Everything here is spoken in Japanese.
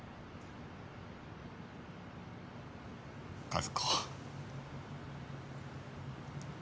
和子。